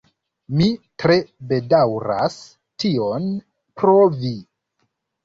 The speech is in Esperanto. Mi tre bedaŭras tion, pro vi.